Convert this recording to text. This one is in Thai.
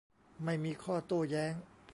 ไม่มีข้อโต้แย้ง